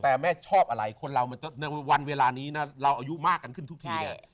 แต่แม่ชอบอะไรในวันเวลานี้เราอายุมากกันขึ้นทุกที